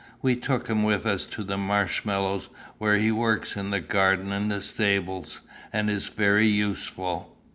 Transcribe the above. We took him with us to Marshmallows, where he works in the garden and stables, and is very useful.